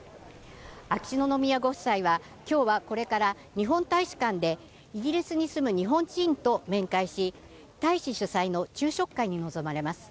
秋篠宮ご夫妻は今日はこれから日本大使館でイギリスに住む日本人と面会し、大使主催の昼食会に臨まれます。